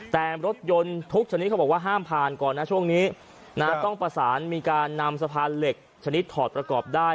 แต่รถยนต์ทุกชนิดเขาบอกว่าห้ามผ่านก่อนนะช่วงนี้นะต้องประสานมีการนำสะพานเหล็กชนิดถอดประกอบได้